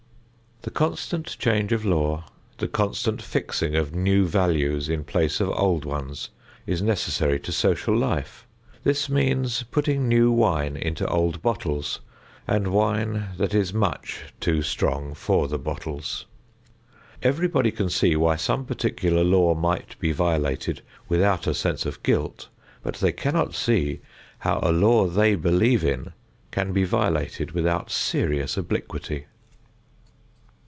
The constant change of law, the constant fixing of new values in place of old ones, is necessary to social life. This means putting new wine into old bottles, and wine that is much too strong for the bottles. Everybody can see why some particular law might be violated without a sense of guilt, but they cannot see how a law they believe in can be violated without serious obliquity.